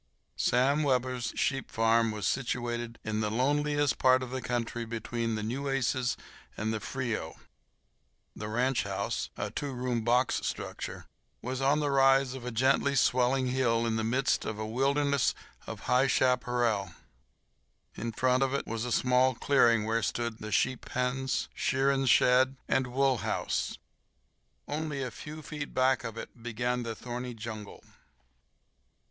Sam Webber's sheep ranch was situated in the loneliest part of the country between the Nueces and the Frio. The ranch house—a two room box structure—was on the rise of a gently swelling hill in the midst of a wilderness of high chaparral. In front of it was a small clearing where stood the sheep pens, shearing shed, and wool house. Only a few feet back of it began the thorny jungle.